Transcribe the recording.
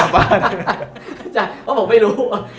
เพราะผมไม่รู้